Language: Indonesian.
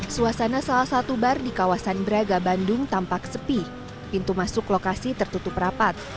suasana salah satu bar di kawasan braga bandung tampak sepi pintu masuk lokasi tertutup rapat